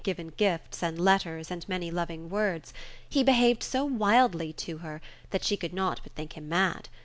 given gifts, and letters, and many loving words — ^he behaved so wildly to her, that she could not but think him mad.